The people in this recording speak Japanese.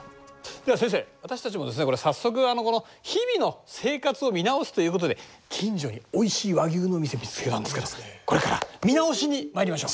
では先生私たちもですね早速日々の生活を見直すということで近所においしい和牛の店見つけたんですけどこれから見直しにまいりましょう。